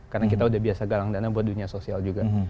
karena kita udah biasa galang dana buat dunia sosial juga